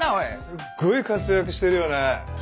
すっごい活躍してるよねえ。